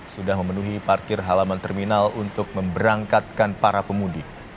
sudah memenuhi parkir halaman terminal untuk memberangkatkan para pemudik